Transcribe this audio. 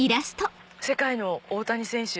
世界の大谷選手。